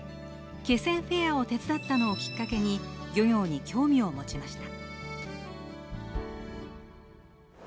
・気仙フェアを手伝ったのをきっかけに、漁業に興味を持ちました。